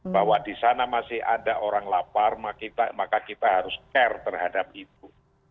bahwa di sana masih ada orang lapar maka kita harus care terhadap itu